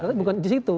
tapi bukan disitu